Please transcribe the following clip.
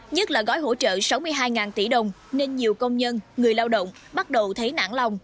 nhất là gói hỗ trợ sáu mươi hai tỷ đồng nên nhiều công nhân người lao động bắt đầu thấy nản lòng